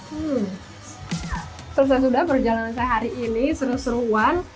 hmm terusnya sudah perjalanan saya hari ini seru seruan